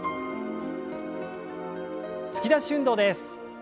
突き出し運動です。